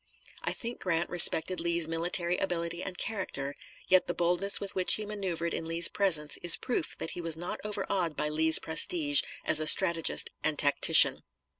I think Grant respected Lee's military ability and character, yet the boldness with which he maneuvered in Lee's presence is proof that he was not overawed by Lee's prestige as a strategist and tactician.